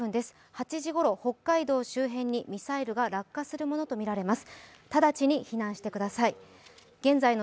８時ごろ、北海道周辺にミサイルが落下するものとみられます。